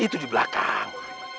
itu di belakang